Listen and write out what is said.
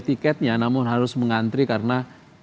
tiketnya namun harus mengantri karena